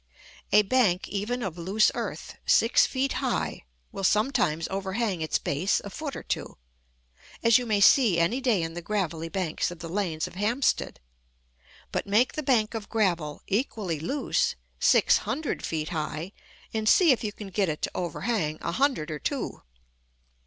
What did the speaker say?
A bank even of loose earth, six feet high, will sometimes overhang its base a foot or two, as you may see any day in the gravelly banks of the lanes of Hampstead: but make the bank of gravel, equally loose, six hundred feet high, and see if you can get it to overhang a hundred or two!